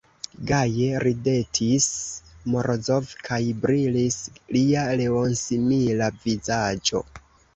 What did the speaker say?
Gaje ridetis Morozov, kaj brilis lia leonsimila vizaĝo.